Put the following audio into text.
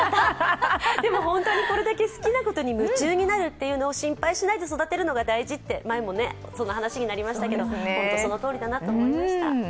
でも本当にこれだけ好きなことに夢中になることが心配しないで育てるのが大事って前もその話になりましたけどホント、そのとおりだなと思いました。